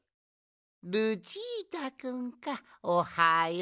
ルチータくんかおはよう。